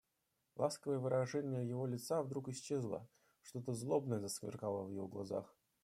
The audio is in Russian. Ласковое выражение его лица вдруг исчезло; что-то злобное засверкало в глазах.